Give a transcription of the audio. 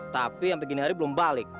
tapi sampai dini hari belum balik